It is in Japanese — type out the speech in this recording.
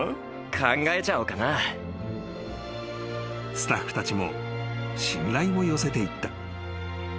［スタッフたちも信頼を寄せていった］